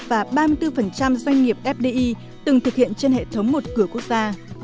và ba mươi bốn doanh nghiệp fdi từng thực hiện trên hệ thống một cửa quốc gia